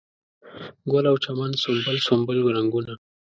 ګل او چمن سنبل، سنبل رنګونه